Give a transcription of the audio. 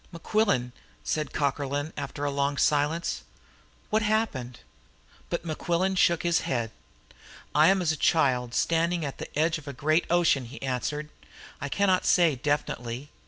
"Mequillen," said Cockerlyne, after a long silence, "what happened?" But Mequillen shook his head. "I am as a child standing at the edge of a great ocean," he answered. "I cannot say definitely.